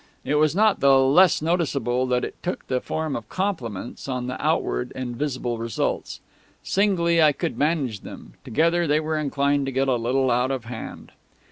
It was not the less noticeable that it took the form of compliments on the outward and visible results. Singly I could manage them; together they were inclined to get a little out of hand.